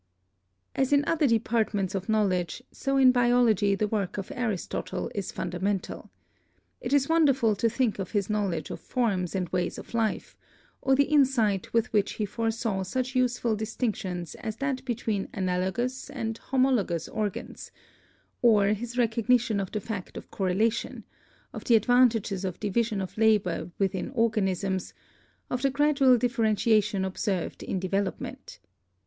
As in other departments of knowledge, so in biology the work of Aristotle is fundamental. It is wonderful to think of his knowledge of forms and ways of life, or the insight with which he foresaw such useful distinctions as that betwen analogous and homologous organs, or his recognition of the fact of correlation, of the advantages of division of labor within organisms, of the gradual dif ferentiation observed in development.